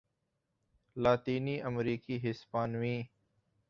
لاطینی امریکی ہسپانوی